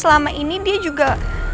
selama ini dia juga